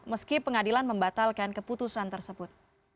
meski pengadilan membatalkan keputusan tersebut